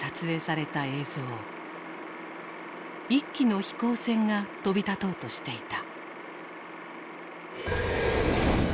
一機の飛行船が飛び立とうとしていた。